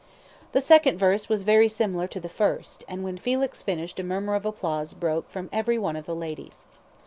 The second verse was very similar to the first, and when Felix finished a murmur of applause broke from every one of the ladies.